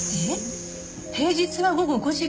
平日は午後５時から９時まで。